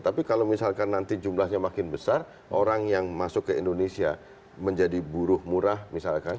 tapi kalau misalkan nanti jumlahnya makin besar orang yang masuk ke indonesia menjadi buruh murah misalkan